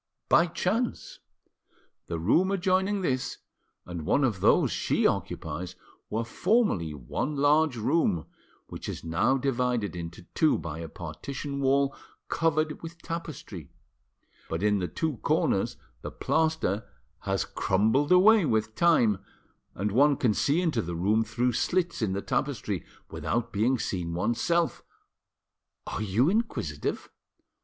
"By chance. The room adjoining this and one of those she occupies were formerly one large room, which is now divided into two by a partition wall covered with tapestry; but in the two corners the plaster has crumbled away with time, and one can see into the room through slits in the tapestry without being seen oneself. Are you inquisitive?"